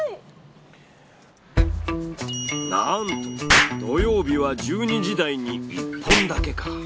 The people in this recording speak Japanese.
なんと土曜日は１２時台に１本だけか。